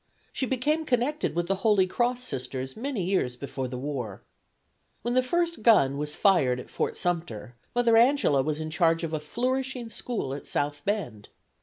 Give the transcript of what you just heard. She became connected with the Holy Cross Sisters many years before the war. When the first gun was fired at Sumter Mother Angela was in charge of a flourishing school at South Bend.